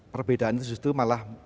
perbedaan itu justru malah